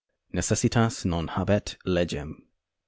Necessitas non habet legem.